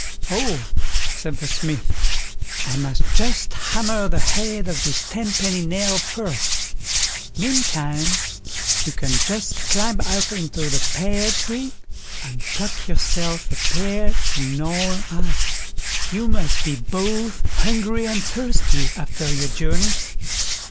"Oh", said the Smith, "I must just hammer the head of this tenpenny nail first; meantime, you can just climb up into the pear tree, and pluck yourself a pear to gnaw at; you must be, both hungry and thirsty after your journey."